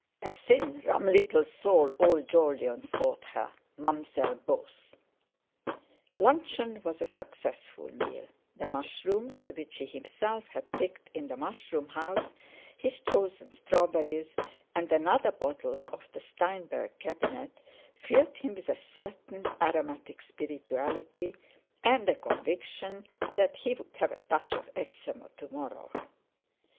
"A thin rum little soul," old Jolyon thought her—Mam'zelle Beauce. Luncheon was a successful meal, the mushrooms which he himself had picked in the mushroom house, his chosen strawberries, and another bottle of the Steinberg cabinet filled him with a certain aromatic spirituality, and a conviction that he would have a touch of eczema to morrow.